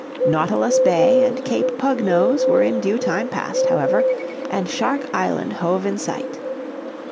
Nautilus Bay and Cape Pug Nose were in due time passed, however, and Shark Island hove in sight.